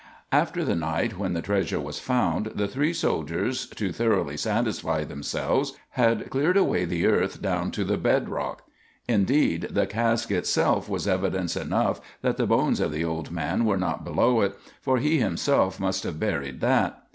After the night when the treasure was found, the three soldiers, to thoroughly satisfy themselves, had cleared away the earth down to the bed rock. Indeed, the cask itself was evidence enough that the bones of the old man were not below it, for he himself must have buried that.